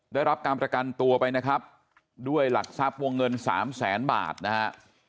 ได้รับการประกันตัวไปนะครับด้วยหลักทรัพย์วงเงินสามแสนบาทนะฮะ